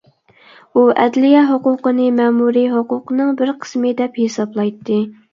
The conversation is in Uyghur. ئۇ ئەدلىيە ھوقۇقىنى مەمۇرىي ھوقۇقنىڭ بىر قىسمى دەپ ھېسابلايتتى.